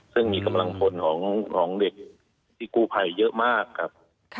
ซึ่งมีกำลังพลของเด็กที่กู้ภัยเยอะมากครับ